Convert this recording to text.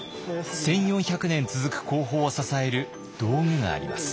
１，４００年続く工法を支える道具があります。